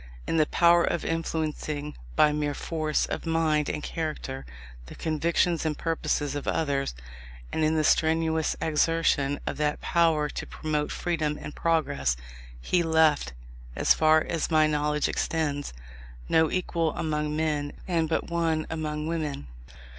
In the power of influencing by mere force of mind and character, the convictions and purposes of others, and in the strenuous exertion of that power to promote freedom and progress, he left, as far as my knowledge extends, no equal among men and but one among women.